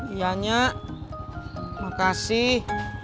iya nyak makasih